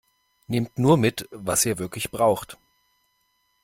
Nehmt nur mit, was ihr wirklich braucht!